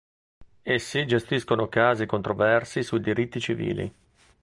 Essi gestiscono casi controversi sui diritti civili.